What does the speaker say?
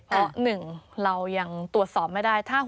เพราะ๑เรายังตรวจสอบไม่ได้